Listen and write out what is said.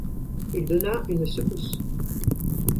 Il donna une secousse.